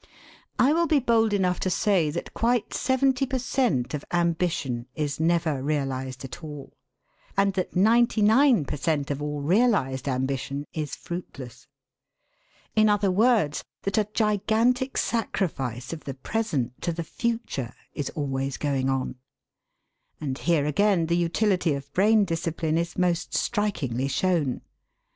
I will be bold enough to say that quite seventy per cent. of ambition is never realised at all, and that ninety nine per cent. of all realised ambition is fruitless. In other words, that a gigantic sacrifice of the present to the future is always going on. And here again the utility of brain discipline is most strikingly shown.